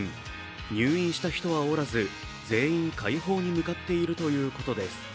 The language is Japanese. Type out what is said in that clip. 入院した人はおらず、全員快方に向かっているということです。